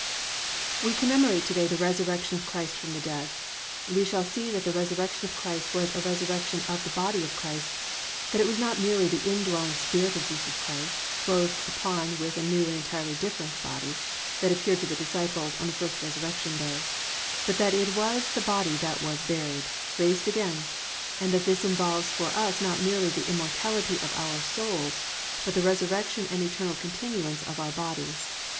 We commemorate to day the resurrection of Christ from the dead. We shall see that the resurrection of Christ was a resurrection of the body of Christ, that it was not merely the indwelling Spirit of Jesus Christ, clothed upon with a new and entirely different body, that appeared to the disciples on the first resurrection day, but that it was the body that was buried, raised again, and that this involves for us not merely the immortality of our souls, but the resurrection and eternal continuance of our bodies.